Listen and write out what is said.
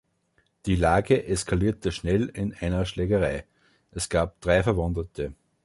Die Lage eskalierte schnell in einer Schlägerei. Es gab drei Verwundete.